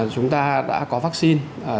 chúng ta đã có vaccine